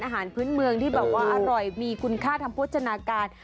อาหารพื้นเมืองที่แบบว่าอร่อยมีคุณค่าทางโภชนาการ